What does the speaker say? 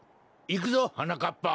いくぞはなかっぱ。